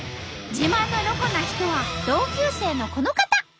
自慢のロコな人は同級生のこの方！